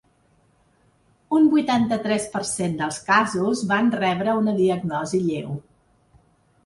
Un vuitanta-tres per cent dels casos van rebre una diagnosi lleu.